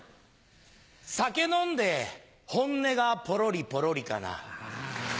酒飲んで本音がポロリポロリかな。